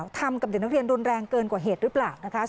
ทำกับเด็กนักเรียนรุนแรงเกินกว่าเหตุหรือเปล่านะคะ